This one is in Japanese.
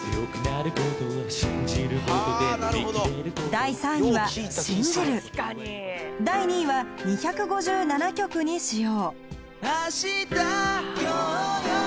第３位は「信じる」第２位は２５７曲に使用